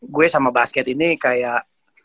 gue sama basket ini kayak